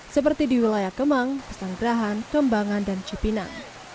seperti di wilayah kemang pesanggerahan kembangan dan cipinang